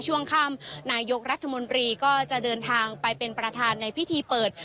ช่วงค่ำนายกรัฐมนตรีก็จะเดินทางไปเป็นประธานในพิธีเปิด